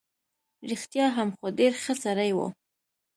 رښتیا هم، خو ډېر ښه سړی وو.